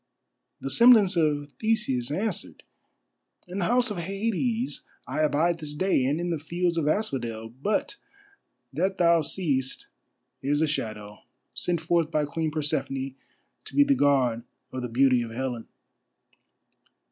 The semblance of Theseus answered: "In the House of Hades I abide this day, and in the fields of asphodel. But that thou seest is a shadow, sent forth by Queen Persephone, to be the guard of the beauty of Helen."